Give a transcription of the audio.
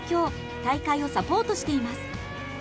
大会をサポートしています。